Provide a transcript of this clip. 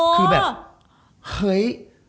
คือแบบเฮ้ย